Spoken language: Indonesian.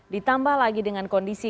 ditambah lagi dengan kondisi